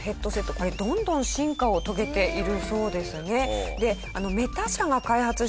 これどんどん進化を遂げているそうですね。